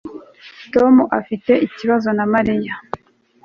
Tom afite ikibazo na Mariya